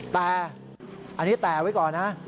แต่อันนี้แต่ไว้ก่อนนะ